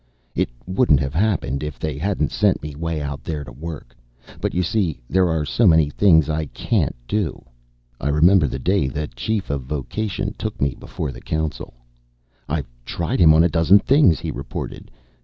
It wouldn't have happened, if they hadn't sent me way out there to work. But, you see, there are so many things I can't do. I remember the day the Chief of Vocation took me before the council. "I've tried him on a dozen things," he reported.